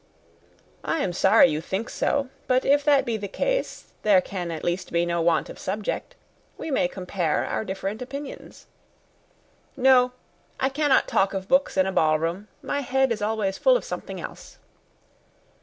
"I am sorry you think so; but if that be the case, there can at least be no want of subject. We may compare our different opinions." "No I cannot talk of books in a ball room; my head is always full of something else."